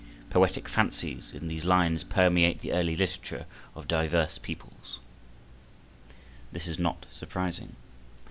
Poetic fancies in these lines permeate the early literature of diverse peoples. This is not surprising.